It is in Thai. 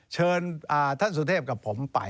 เชิญท่านสุเทพกับผมไป